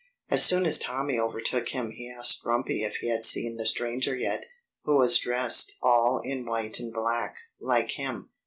As soon as Tommy overtook him he asked Grumpy if he had seen the stranger yet, who was dressed all in white and black, like him.